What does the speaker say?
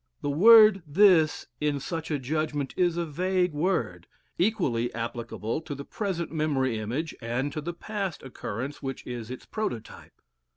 The word "this," in such a judgment, is a vague word, equally applicable to the present memory image and to the past occurrence which is its prototype.